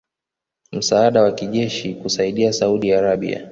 msaada wa kijeshi kuisaidia Saudi Arabia